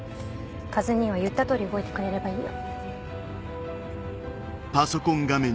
カズ兄は言った通り動いてくれればいいよ。